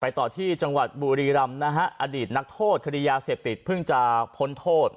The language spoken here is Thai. ต่อที่จังหวัดบุรีรำนะฮะอดีตนักโทษคดียาเสพติดเพิ่งจะพ้นโทษ